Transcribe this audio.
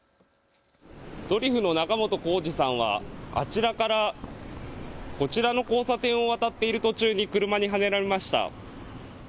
ドリフの仲本工事さんはあちらからこちらの交差点を渡っている途中に車にはねられました。